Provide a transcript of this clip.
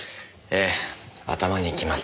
ええ頭にきます。